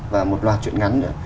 và một loạt chuyện ngắn nữa